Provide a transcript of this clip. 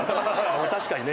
確かにね。